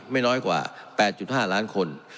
ไม่น้อยกว่า๘๕ล้านคน